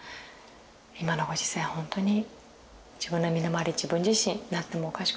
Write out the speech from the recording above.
今のご時世ほんとに自分の身の回り自分自身なってもおかしくない。